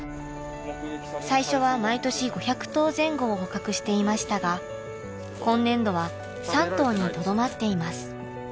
最初は毎年５００頭前後を捕獲していましたが今年度は３頭にとどまっています。